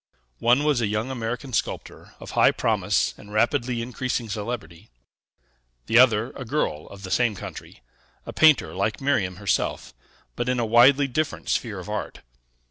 One was a young American sculptor, of high promise and rapidly increasing celebrity; the other, a girl of the same country, a painter like Miriam herself, but in a widely different sphere of art.